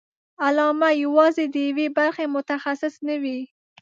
علامه یوازې د یوې برخې متخصص نه وي.